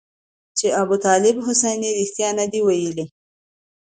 چې ابوطالب حسیني رښتیا نه دي ویلي.